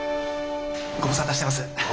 ご無沙汰してます。